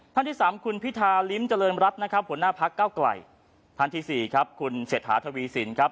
ที่สามคุณพิธาลิ้มเจริญรัฐนะครับหัวหน้าพักเก้าไกลท่านที่สี่ครับคุณเศรษฐาทวีสินครับ